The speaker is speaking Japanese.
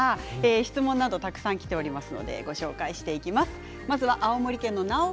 質問などたくさんきています。